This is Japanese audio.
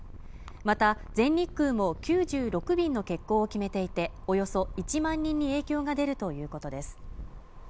また全日空も９６便の欠航を決めていておよそ１万人に影響が出るということです